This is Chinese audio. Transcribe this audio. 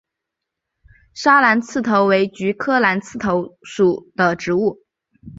砂蓝刺头为菊科蓝刺头属的植物。